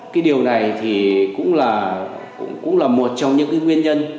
cái điều này thì cũng là một trong những nguyên nhân